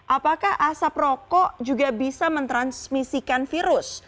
apakah asap rokok juga bisa mentransmisikan virus